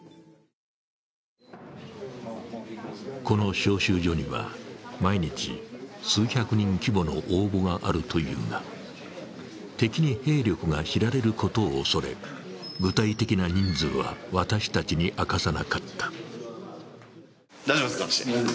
この招集所には毎日数百人規模の応募があるというが敵に兵力が知られることをおそれ、具体的な人数は私たちに明かさなかった。